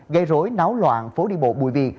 gây rối náo loạn phố đi bộ bùi viện